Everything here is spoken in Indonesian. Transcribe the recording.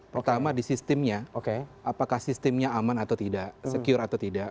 pertama di sistemnya apakah sistemnya aman atau tidak secure atau tidak